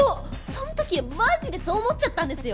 その時はマジでそう思っちゃったんですよ。